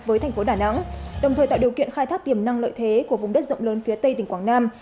với thành phố đà nẵng đồng thời tạo điều kiện khai thác tiềm năng lợi thế của vùng đất rộng lớn phía tây tỉnh quảng nam